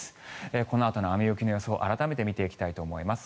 このあとの雨雪の予想改めて見ていきたいと思います。